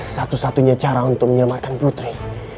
satu satunya cara untuk menyelamatkan putri